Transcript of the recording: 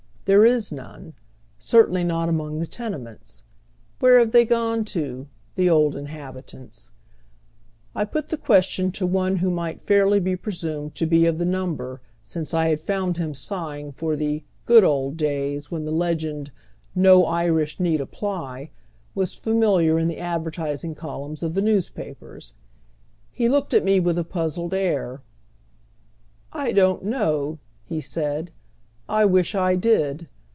There is none ; certainly not among the tenements. Where have they gone to, the old inhabitants? I put the question to one who might fairly be presumed to be of the number, since I had found him sighing for the " good old days " when the legend " no Irish need apply " was familiar in the advertising columns of tlie newspapei s. He looked at me with a puzzled air, " I don't know," he said. " I wish I did.